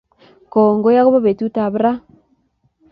Kongoi akobo betut ab ra